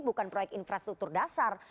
bukan proyek infrastruktur dasar